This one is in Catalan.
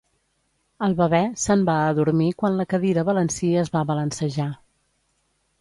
El bebè se'n va adormir quan la cadira balancí es va balancejar.